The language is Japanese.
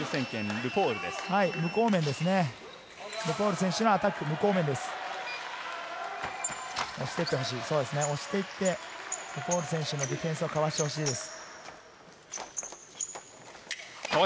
ルフォール選手のディフェンスをかわしてほしいです。